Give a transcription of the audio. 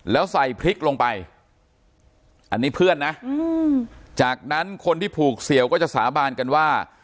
แล้วใส่พริกลงไปอันนี้เพื่อนนะจากนั้นคนที่ผูกเสี่ยวก็จะสาบานกันว่า